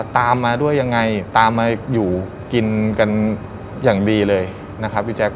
ตามมาด้วยยังไงตามมาอยู่กินกันอย่างดีเลยนะครับพี่แจ๊ค